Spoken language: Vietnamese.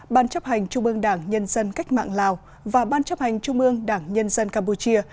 ban chấp hành trung ương đảng nhân dân cách mạng lào và ban chấp hành trung ương đảng nhân dân campuchia